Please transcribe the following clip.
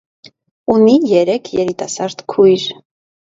Ունի երեք երիտասարդ քույր։